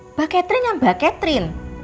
mbak catering yang mbak catherine